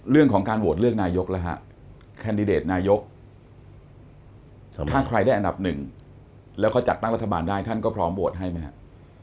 เรื่องของการโหวตเลือกนายกแล้วฮะแคนดิเดตนายกถ้าใครได้อันดับหนึ่งแล้วก็จัดตั้งรัฐบาลได้ท่านก็พร้อมโหวตให้ไหมครับ